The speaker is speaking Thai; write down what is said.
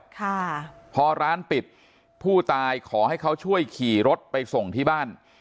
ค่ะพอร้านปิดผู้ตายขอให้เขาช่วยขี่รถไปส่งที่บ้าน